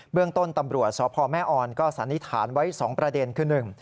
เรื่องต้นตำรวจสพแม่ออนก็สันนิษฐานไว้๒ประเด็นคือหนึ่ง